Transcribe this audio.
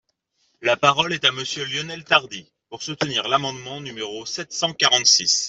La parole est à Monsieur Lionel Tardy, pour soutenir l’amendement numéro sept cent quarante-six.